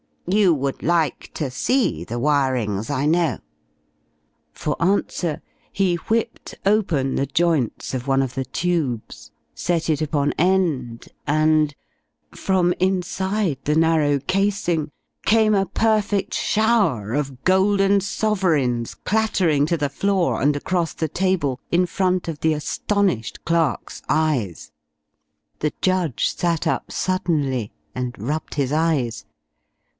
You would like to see the wirings, I know " For answer he whipped open the joints of one of the tubes, set it upon end, and from inside the narrow casing came a perfect shower of golden sovereigns clattering to the floor and across the table in front of the astonished clerk's eyes. The judge sat up suddenly and rubbed his eyes.